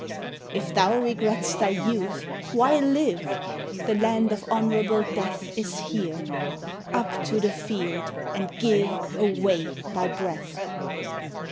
If thou regret'st thy youth, why live? The land of honourable death Is here: up to the field, and give 35 Away thy breath!